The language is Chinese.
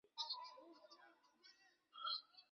曾任山东考官。